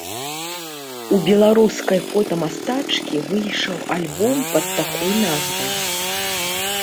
У беларускай фотамастачкі выйшаў альбом пад такой назвай.